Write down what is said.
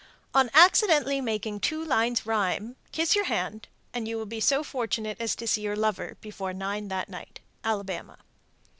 On accidentally making two lines rhyme, kiss your hand, and you will be so fortunate as to see your lover before nine that night. _Alabama.